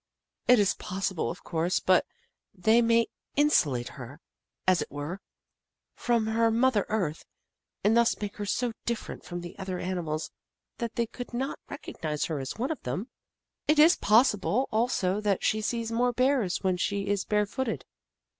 " It is possible, of course, that they may insulate her, as it were, from 68 The Book of Clever Beasts her mother earth, and thus make her so dif ferent from the other animals that they could not recognise her as one of them. It is possi ble, also, that she sees more Bears when she is barefooted."